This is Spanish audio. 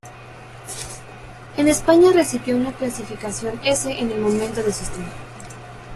En España recibió una clasificación "S" en el momento de su estreno.